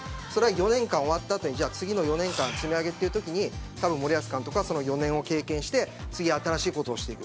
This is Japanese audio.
４年間が終わった後に次の４年間の積み上げというときに森保監督は、その４年を経験して次に、新しいことをしていく。